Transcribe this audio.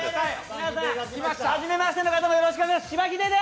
皆さん、初めましての方もよろしくお願いします。